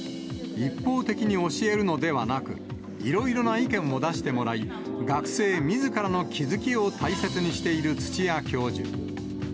一方的に教えるのではなく、いろいろな意見を出してもらい、学生みずからの気付きを大切にしている土屋教授。